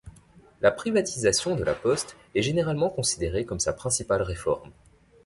La privatisation de la poste est généralement considérée comme sa principale réforme.